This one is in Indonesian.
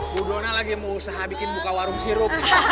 bu dona lagi mau usaha bikin buka warung sirup